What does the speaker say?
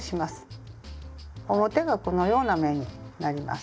表がこのような目になります。